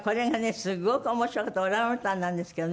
すごく面白くてオランウータンなんですけどね。